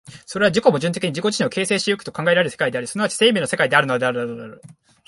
それは自己矛盾的に自己自身を形成し行くと考えられる世界である、即ち生命の世界であるのである。